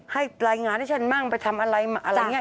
ให้รายงานให้ฉันบ้างไปทำอะไรอะไรก็งี่